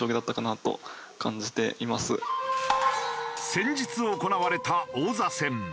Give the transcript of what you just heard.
先日行われた王座戦。